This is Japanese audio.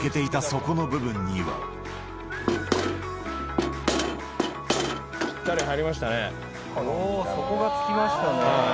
底がつきましたね。